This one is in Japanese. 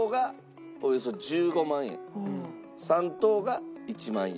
３等が１万円。